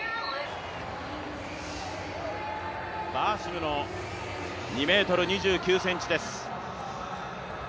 バーシムの２ｍ２９ｃｍです。